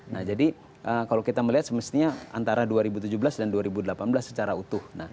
nah jadi kalau kita melihat semestinya antara dua ribu tujuh belas dan dua ribu delapan belas secara utuh